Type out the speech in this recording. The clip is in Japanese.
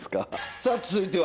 さあ続いては。